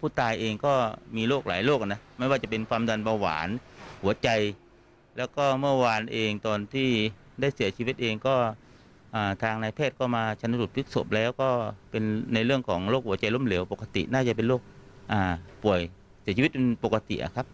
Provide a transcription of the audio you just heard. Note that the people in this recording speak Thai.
ป่วยเสียชีวิตปกติครับ